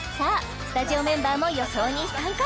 スタジオメンバーも予想に参加